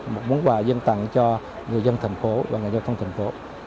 một món quà dân tặng cho người dân thành phố và người giao thông thành phố